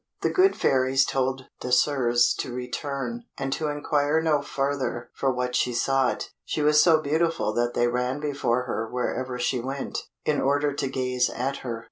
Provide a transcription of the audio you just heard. The good fairies told Désirs to return, and to inquire no further for what she sought. She was so beautiful that they ran before her wherever she went, in order to gaze at her.